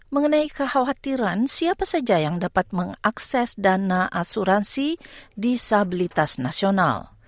mengenai kekhawatiran siapa saja yang dapat mengakses dana asuransi disabilitas nasional